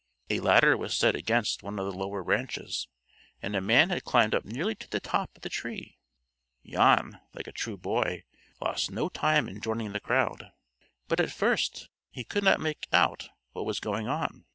A ladder was set against one of the lower branches, and a man had climbed up nearly to the top of the tree. Jan, like a true boy, lost no time in joining the crowd, but at first he could not make out what was going on.